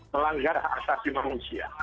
melanggar hak asasi manusia